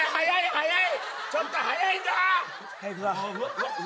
早い！